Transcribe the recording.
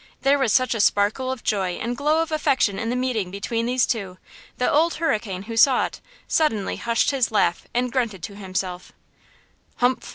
There was such a sparkle of joy and glow of affection in the meeting between these two that Old Hurricane, who saw it, suddenly hushed his laugh and grunted to himself: "Humph!